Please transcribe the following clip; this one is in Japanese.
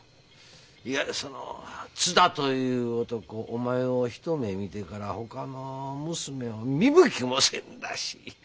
いやその津田という男お前を一目見てからほかの娘は見向きもせんらしい。